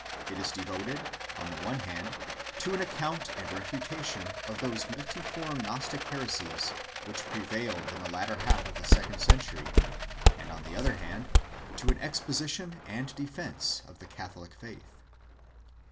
It is devoted, on the one hand, to an account and refutation of those multiform Gnostic heresies which prevailed in the latter half of the second cen tury ; and, on the other hand^ to an exposition and defence of the Catholic faith.